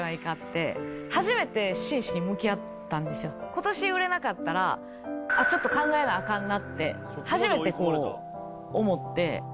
今年売れなかったらちょっと考えなアカンなって初めてこう思って。